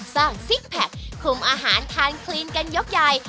ซิกแพคคุมอาหารทานคลีนกันยกใหญ่